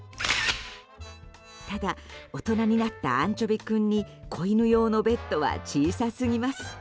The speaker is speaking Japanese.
ただ大人になったアンチョビ君に子犬用のベッドは小さすぎます。